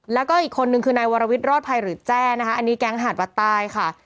แล้วก็อีกคนนึงคือนายวรวิทย์รอดภัยหรือแจ้นะคะอันนี้แก๊งหาดวัดใต้ค่ะ